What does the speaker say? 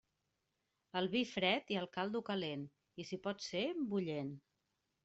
El vi fred i el caldo calent, i si pot ser, bullent.